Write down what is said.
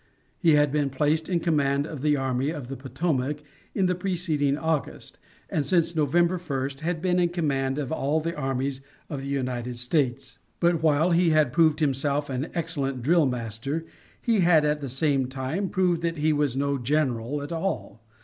He had been placed in command of the Army of the Potomac in the preceding August, and since November 1st had been in command of all the armies of the United States; but while he had proved himself an excellent drillmaster, he had at the same time proved that he was no general at all.